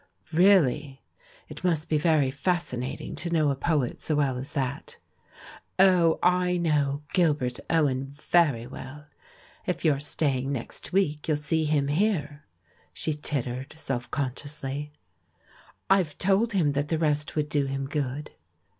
"Really? It must be very fascinating to know a poet so well as that!" "Oh, I know Gilbert Owen very well! If you're staying next week, you'll see him here;'* she tittered self consciously: "I've told him that the rest would do him good."